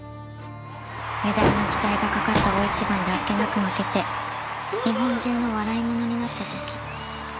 メダルの期待がかかった大一番であっけなく負けて日本中の笑いものになった時。